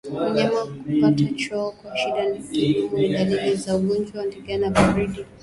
Mnyama kupata choo kwa shida na kigumu ni dalili za ugonjwa wa ndigana baridi